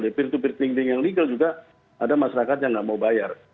dari peer to peer lending yang legal juga ada masyarakat yang tidak mau bayar